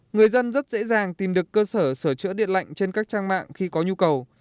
người dân rất dễ dàng tìm được cơ sở sửa chữa điện lạnh trên các trang mạng khi có nhu cầu